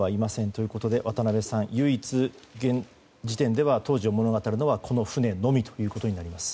ということで、渡辺さん唯一、今現時点で当時を物語るのは、この船のみということになります。